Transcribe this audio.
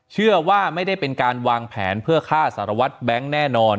เชื่อว่าไม่ได้เป็นการวางแผนเพื่อฆ่าสารวัตรแบงค์แน่นอน